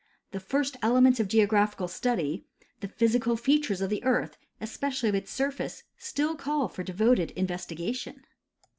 The first elements of geographical study, the physical features of the earth — especially of its surface — still call for devoted investigation.